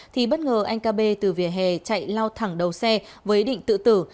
thì bất ngờ anh cơ bê từ vỉa hè chạy lao thẳng đầu xe với ý định tự tử